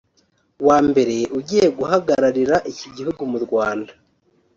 wa mbere ugiye guhagararira iki gihugu mu Rwanda